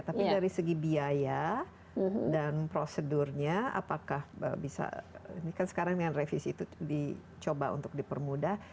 tapi dari segi biaya dan prosedurnya apakah bisa ini kan sekarang dengan revisi itu dicoba untuk dipermudah